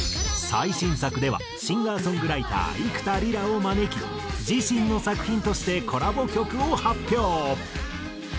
最新作ではシンガーソングライター幾田りらを招き自身の作品としてコラボ曲を発表。